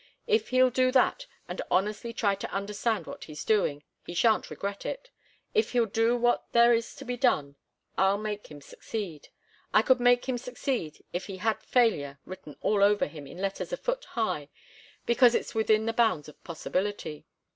If he'll do that, and honestly try to understand what he's doing, he shan't regret it. If he'll do what there is to be done, I'll make him succeed. I could make him succeed if he had 'failure' written all over him in letters a foot high because it's within the bounds of possibility.